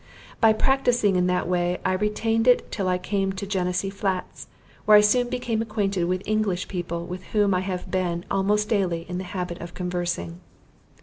By practising in that way I retained it till I came to Genesee flats, where I soon became acquainted with English people with whom I have been almost daily in the habit of conversing.